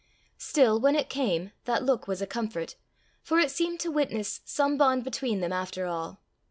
Still, when it came, that look was a comfort, for it seemed to witness some bond between them after all.